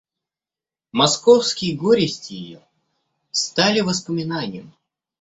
Московские горести ее стали воспоминанием.